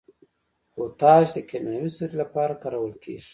پوټاش د کیمیاوي سرې لپاره کارول کیږي.